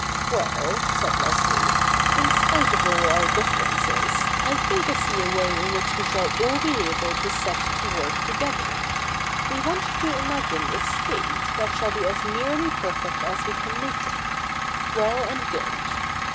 ' Well,' said Leslie, ' in spite of all our differences, I think I see a way in which we shall all be able to set to work together. We want to imagine a state that shall be as nearly perfect as we can make it. Well and good.